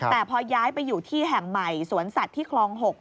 แต่พอย้ายไปอยู่ที่แห่งใหม่สวนสัตว์ที่คลอง๖